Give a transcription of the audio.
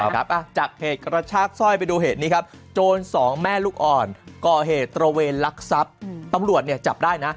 ครับอ่ะจากเหตุกระชากสร้อยไปดูเหตุนี้ครับโจรสองแม่ลูกอ่อนก่อเหตุตระเวนลักทรัพย์ตำรวจเนี่ยจับได้นะ